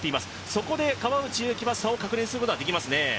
そこで川内優輝は差を確認することはできますね。